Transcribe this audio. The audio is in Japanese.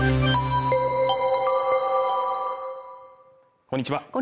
こんにちは